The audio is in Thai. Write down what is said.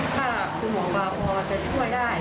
ถ้าคุณหมอพอจะช่วยได้